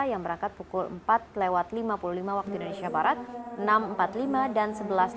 yang berangkat pukul empat lewat lima puluh lima waktu indonesia barat enam empat puluh lima dan sebelas tiga puluh